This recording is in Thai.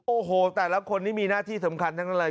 โอ้โหแต่ละคนนี้มีหน้าที่สำคัญด้วย